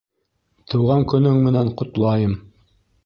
Тыуған көнөң менән ҡотлайым!